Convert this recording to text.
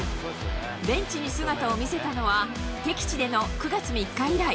ベンチに姿を見せたのは、敵地での９月３日以来。